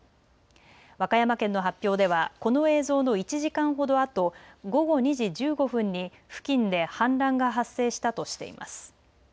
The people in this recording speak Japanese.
和歌山県の発表ではこの映像の１時間ほどあと午後２時１５分に付近で氾濫が発生したとしています。